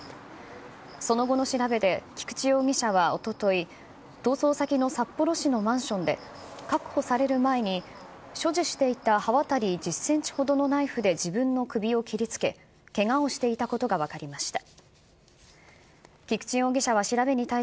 その後の調べで菊池容疑者はおととい、逃走先の札幌市のマンションで、確保される前に、所持していた刃渡り１０センチほどのナイフで自分の首を切りつけ、けがをしていたことが分かりました。